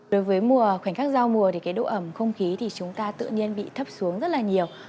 đối với khoảnh khắc dao mùa thì độ ẩm không khí chúng ta tự nhiên bị thấp xuống rất nhiều